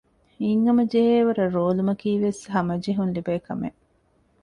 ހިތްހަމަ ޖެހޭވަރަށް ރޯލުމަކީވެސް ހަމަޖެހުން ލިބޭކަމެއް